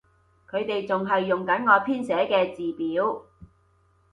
佢哋仲係用緊我編寫嘅字表